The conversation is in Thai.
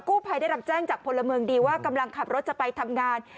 ผู้ภัยได้รับแจ้งจากพลเมืองดีว่ากำลังขับรถจะไปทำงาน